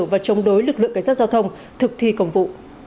và chống đối lực lượng cảnh sát giao thông thực thi công vụ